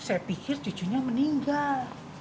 saya pikir cucunya meninggal